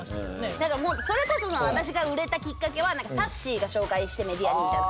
なんかもうそれこそさ私が売れたきっかけはさっしーが紹介してメディアにみたいな。